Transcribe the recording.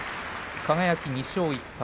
輝２勝１敗。